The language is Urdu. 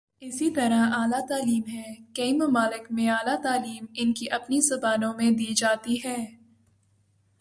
اسی طرح اعلی تعلیم ہے، کئی ممالک میںاعلی تعلیم ان کی اپنی زبانوں میں دی جاتی ہے۔